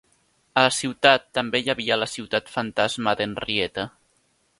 A la ciutat també hi havia la ciutat fantasma d'Henrietta.